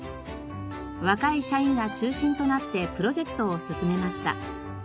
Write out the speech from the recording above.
若い社員が中心となってプロジェクトを進めました。